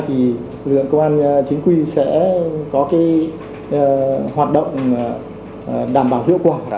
thì lực lượng công an chính quy sẽ có hoạt động đảm bảo hiệu quả